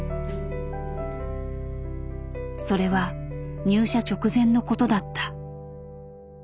それは入社直前のことだった。